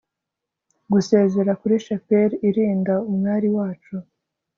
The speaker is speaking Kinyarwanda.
gusezera, kuri shapeli irinda umwari wacu